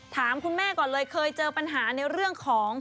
ถามคุณแม่ก่อนเลยเคยเจอปัญหาในเรื่องของ